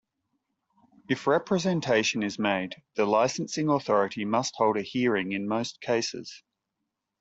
If representation is made, the licensing authority must hold a hearing in most cases.